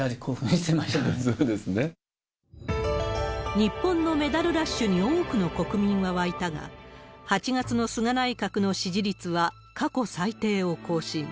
日本のメダルラッシュに多くの国民が沸いたが、８月の菅内閣の支持率は過去最低を更新。